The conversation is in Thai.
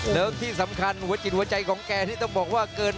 แล้วที่สำคัญหัวจิตหัวใจของแกที่ต้องบอกว่าเกิน